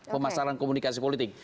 pemasaran komunikasi politik